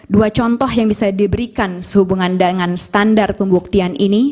dua contoh yang bisa diberikan sehubungan dengan standar pembuktian ini